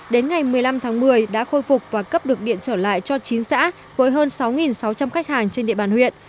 đến ngày một mươi năm tháng một mươi đã khôi phục và cấp được điện trở lại cho chín xã với hơn sáu sáu trăm linh khách hàng trên địa bàn huyện